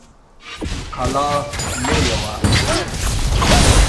کلا لويه وه.